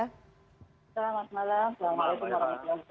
selamat malam selamat malam